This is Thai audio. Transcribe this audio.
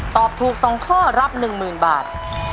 ตอบถูกสองข้อรับ๑หมื่นบาท